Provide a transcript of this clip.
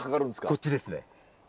こっちですね。